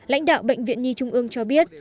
lãnh đạo bệnh viện nhi trung ương cho biết